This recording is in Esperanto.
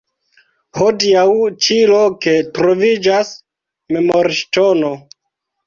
Hodiaŭ ĉi loke troviĝas memorŝtono.